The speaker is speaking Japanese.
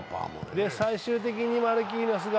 最終的にマルキーナスが